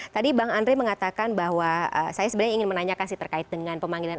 tadi bang andre mengatakan bahwa saya sebenarnya ingin menanyakan sih terkait dengan pemanggilan